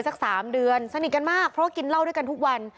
สัก๓เดือนสนิทกันมากเพราะว่ากินเหล้าด้วยกันทุกวัน